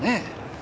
え？